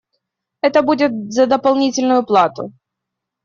Это будет за дополнительную плату.